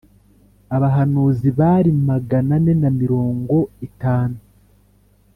abahanuzi Bali ni magana ane na mirongo itanu